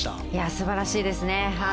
素晴らしいですね。